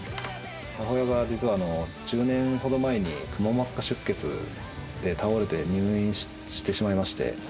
母親が実は１０年ほど前に、くも膜下出血で倒れて入院してしまいまして。